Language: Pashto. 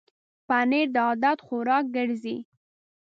پنېر د عادت خوراک ګرځي.